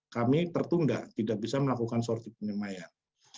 kami tertunda tidak bisa melakukan sortib penyemayan